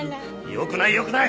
よくないよくない！